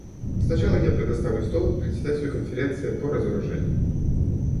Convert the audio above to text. Сначала я предоставлю слово Председателю Конференции по разоружению.